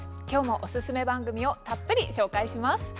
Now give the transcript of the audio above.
きょうもおすすめ番組をたっぷり紹介します。